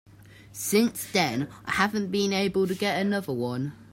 Since then I haven't been able to get another one.